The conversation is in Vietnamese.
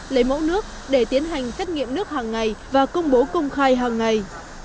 lấy mẫu nước để tiến hành xét nghiệm nước hàng ngày và công bố công khai hàng ngày